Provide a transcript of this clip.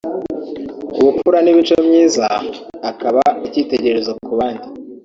ubupfura n’imico myiza akaba icyitegererezo ku bandi